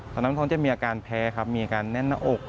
ตอนนั้นเขาจะมีอาการแพ้ครับมีอาการแน่นหน้าอก